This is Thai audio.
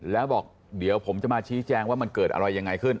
แล้วบอกเดี๋ยวผมจะมาชี้แจงว่ามันเกิดอะไรยังไงขึ้น